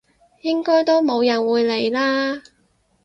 應該都冇人會理啦！